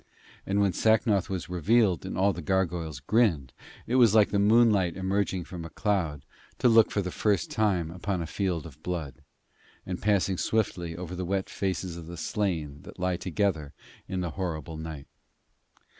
And when Sacnoth was revealed and all the gargoyles grinned, it was like the moonlight emerging from a cloud to look for the first time upon a field of blood, and passing swiftly over the wet faces of the slain that lie together in the horrible night.